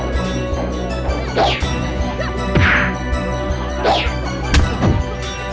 bagi dia dikasih dukungan isc